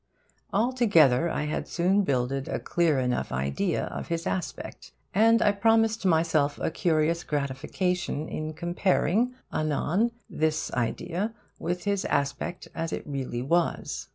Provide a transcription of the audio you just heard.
Altogether, I had soon builded a clear enough idea of his aspect; and I promised myself a curious gratification in comparing anon this idea with his aspect as it really was.